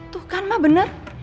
tuh kan mah bener